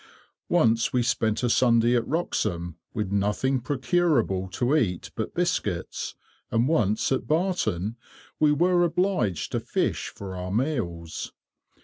Once we spent a Sunday at Wroxham, with nothing procurable to eat but biscuits, and once, at Barton, we were obliged to fish for our meals.